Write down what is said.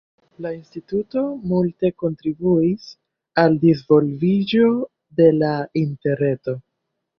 La instituto multe kontribuis al disvolviĝo de la Interreto.